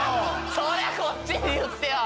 それこっちに言ってよ